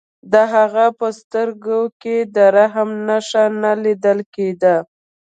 د هغه په سترګو کې د رحم نښه نه لیدل کېده